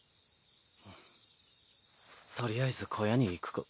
とりあえず小屋に行くか。